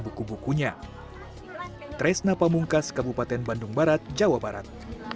buku bukunya tresna pamungkas kabupaten bandung barat jawa barat